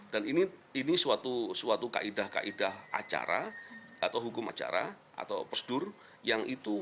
dan ini suatu kaedah kaedah acara atau hukum acara atau prosedur yang itu